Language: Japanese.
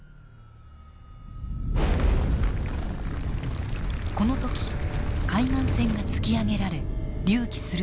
この時海岸線が突き上げられ隆起するのです。